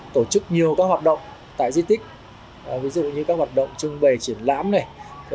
tổ chức nhiều các hoạt động tại di tích ví dụ như các hoạt động trưng bày triển lãm này